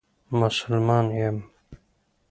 مسلمان یم.